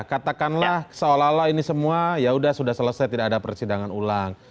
katakanlah seolah olah ini semua ya sudah sudah selesai tidak ada persidangan ulang